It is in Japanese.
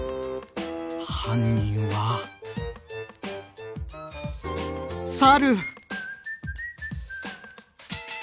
犯人は猿！